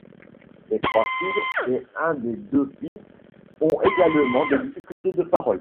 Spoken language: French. Les trois filles et un des deux fils ont également des difficultés de parole.